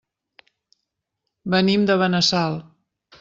Venim de Benassal.